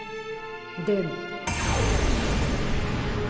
でも。